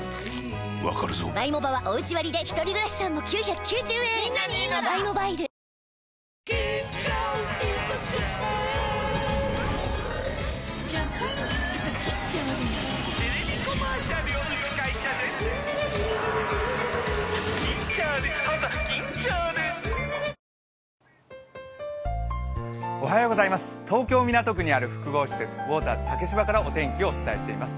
わかるぞ東京・港区にある複合施設、ウォーターズ竹芝からお天気をお伝えしています。